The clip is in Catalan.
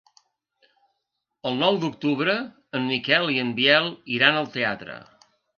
El nou d'octubre en Miquel i en Biel iran al teatre.